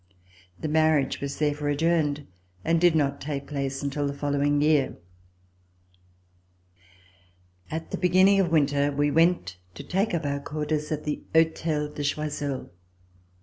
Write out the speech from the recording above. The marriage was therefore adjourned and did not take place until the following year. At the beginning of winter we went to take up our quarters at the Hotel de Choiseul.